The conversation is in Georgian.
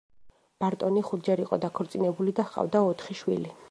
ბარტონი ხუთჯერ იყო დაქორწინებული და ჰყავდა ოთხი შვილი.